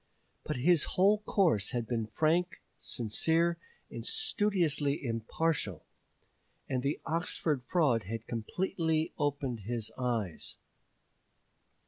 But his whole course had been frank, sincere, and studiously impartial, and the Oxford fraud had completely opened his eyes.